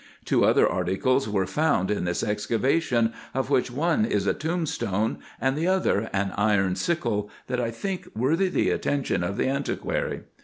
Two other articles were found in this excavation, of which one is a tombstone, and the other an iron sickle, that I think worthy the attention of the antiquary.